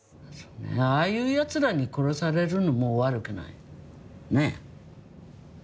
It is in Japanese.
ああいう奴らに殺されるのも悪くないねえ。